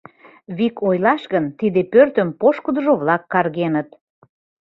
Вик ойлаш гын, тиде пӧртым пошкудыжо-влак каргеныт.